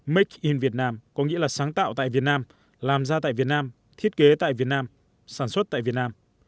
make in việt nam có nghĩa là sáng tạo tại việt nam làm ra tại việt nam thiết kế tại việt nam sản xuất tại việt nam